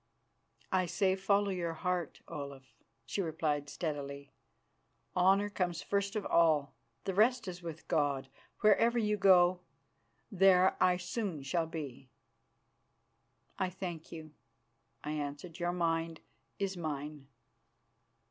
"I say, follow your heart, Olaf," she replied steadily. "Honour comes first of all. The rest is with God. Wherever you go there I soon shall be." "I thank you," I answered; "your mind is mine."